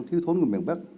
thiếu thốn người miền bắc